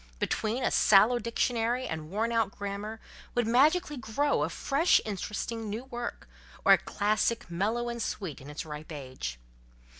Between a sallow dictionary and worn out grammar would magically grow a fresh interesting new work, or a classic, mellow and sweet in its ripe age.